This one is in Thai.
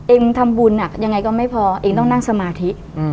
ทำบุญยังไงก็ไม่พอเองต้องนั่งสมาธิ